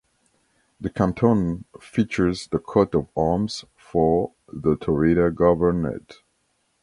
The canton features the coat of arms for the Taurida Governorate.